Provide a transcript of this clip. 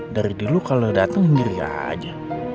dari dulu kalau datang sendiri aja